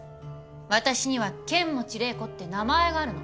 私には剣持麗子って名前があるの。